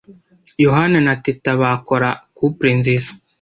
Yohani na Teta bakora couple nziza.